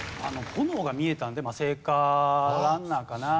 炎が見えたんでまあ聖火ランナーかな。